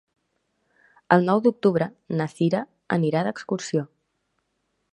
El nou d'octubre na Cira anirà d'excursió.